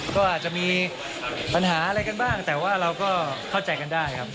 ก็อาจจะมีปัญหาอะไรกันบ้างแต่ว่าเราก็เข้าใจกันได้ครับ